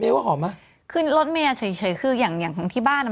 เมล์ว่าหอมมากคือลดเมล์เฉยเฉยคืออย่างอย่างของที่บ้านอ่ะ